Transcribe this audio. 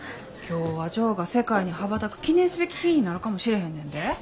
今日はジョーが世界に羽ばたく記念すべき日ぃになるかもしれへんねんで。